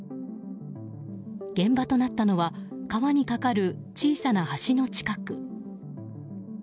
現場となったのは川にかかる小さな橋の近く。